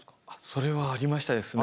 それはありましたですね。